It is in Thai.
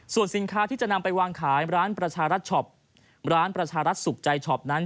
ส่วนสินค้าที่จะนำไปวางขายร้านประชารัฐช็อปร้านประชารัฐสุขใจช็อปนั้น